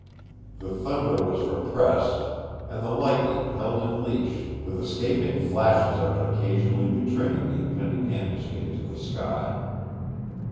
The thunder was repressed, and the lightning held in leash, with escaping flashes of it occasionally betraying the impending ambuscades of the sky.